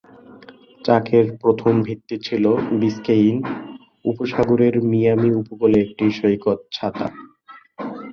চকের প্রথম ভিত্তি ছিল বিস্কেইন উপসাগরের মিয়ামি উপকূলে একটি সৈকত ছাতা।